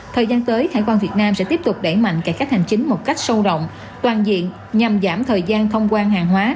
thời gian tới hải quan việt nam sẽ tiếp tục đẩy mạnh cải cách hành chính một cách sâu rộng toàn diện nhằm giảm thời gian thông quan hàng hóa